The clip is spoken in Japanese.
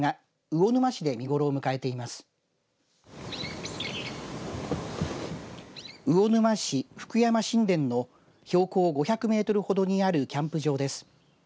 魚沼市福山新田の標高５００メートルほどにあるキャンプ場です。